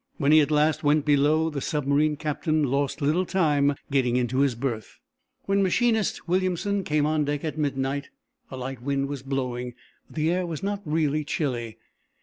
When he at last went below the submarine captain lost little time getting into his berth. When Machinist Williamson came on deck at midnight a light wind was blowing, but the air was not really chilly.